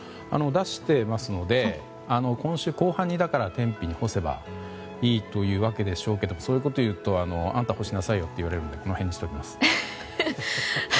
出していますので今週後半に天日に干せばいいというわけでしょうけどそういうことを言うとあなた、干しなさいよと言われるのでこの辺にしておきます。